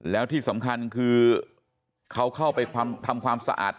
แล้วที่สำคัญคือเขาเข้าไปทำความสะอาด